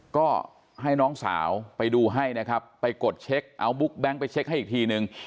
ก็ให้น้องสาวไปดูให้นะครับไปกดเช็คเอาบุ๊กแก๊งไปเช็คให้อีกทีนึง